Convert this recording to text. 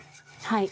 はい。